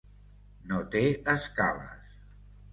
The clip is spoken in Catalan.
No té escales.